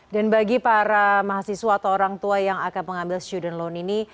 dan bagi para mahasiswa atau orang tua yang akan mengambil student loan ini